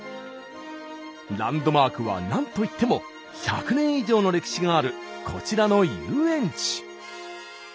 ランドマークは何といっても１００年以上の歴史があるこちらの遊園地。